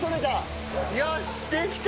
よしできた！